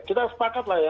kita sepakat lah ya